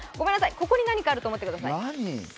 ここに何かあると思ってください。